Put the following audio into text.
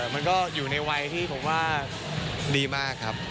มันก็อยู่ในวัยที่ผมว่าดีมากครับ